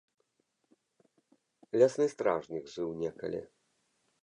Лясны стражнік жыў некалі.